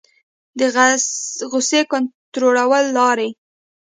د غصې کنټرول لارې